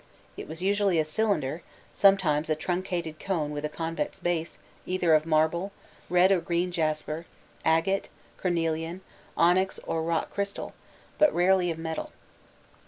It was usually a cylinder, sometimes a truncated cone with a convex base, either of marble, red or green jasper, agate, cornelian, onyx or rock crystal, but rarely of metal.